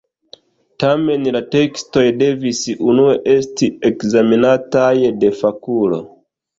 Tamen la tekstoj devis unue esti ekzamenataj de fakulo.